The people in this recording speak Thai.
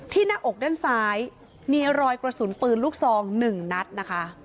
หน้าอกด้านซ้ายมีรอยกระสุนปืนลูกซอง๑นัดนะคะ